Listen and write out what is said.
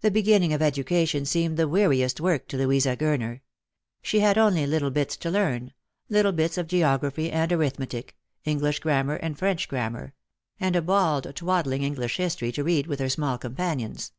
The beginning of education seemed the weariest work to Louisa Gurner. She had only little bits to learn — little bits of geography and arithmetic, English grammar and French grammar — and a bald twaddling English history to read with her small companions.